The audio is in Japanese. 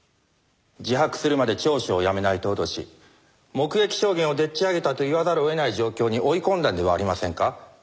自白するまで聴取をやめないと脅し目撃証言をでっち上げたと言わざるを得ない状況に追い込んだんではありませんか？